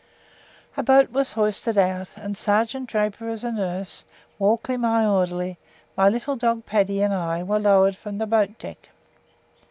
A boat was hoisted out, and Sergeant Draper as a nurse, Walkley my orderly, my little dog Paddy and I were lowered from the boat deck.